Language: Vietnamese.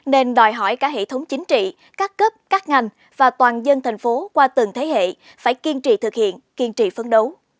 nên đòi hỏi cả hệ thống chính trị các cấp các ngành và toàn dân thành phố qua từng thế hệ phải kiên trì thực hiện kiên trì phấn đấu